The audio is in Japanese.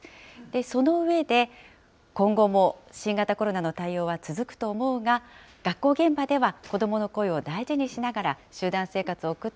その上で、今後も新型コロナの対応は続くと思うが、学校現場では子どもの声を大事にしながら集団生活を送って